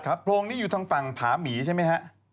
ครับโพงนี้อยู่ทางฝั่งพระมีใช่ไหมครับ